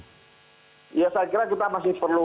ya saya kira kita masih perlu